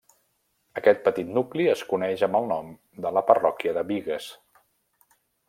Aquest petit nucli es coneix amb el nom de la Parròquia de Bigues.